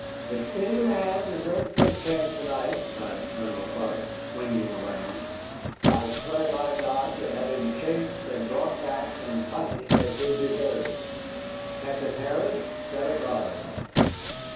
"If any man deserts this camp to night," cried Colonel Clark, swinging around, "I swear by God to have him chased and brought back and punished as he deserves. Captain Harrod, set a guard."